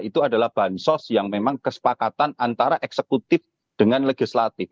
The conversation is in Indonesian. itu adalah bansos yang memang kesepakatan antara eksekutif dengan legislatif